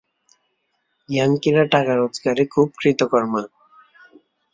ইয়াঙ্কিরা টাকা রোজগারে খুব কৃতকর্মা।